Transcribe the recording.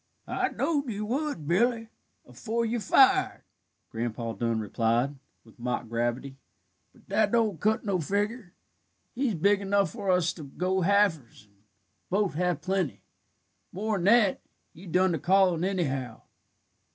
"I knowed you would, Billy, afore your fired," Grandpa Dun replied, with mock gravity, "but that don't cut no figger. He's big enough for us to go halvers and both have plenty. More'n that, you done the callin' anyhow."